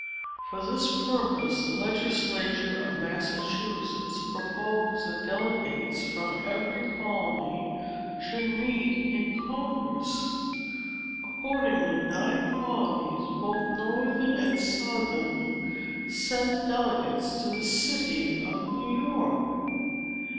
For this purpose, the legislature of Massachusetts proposed that delegates from every colony should meet in Congress. Accordingly nine colonies, both northern and southern, sent delegates to the city of New York.